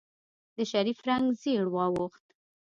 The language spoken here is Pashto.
د شريف رنګ زېړ واوښت.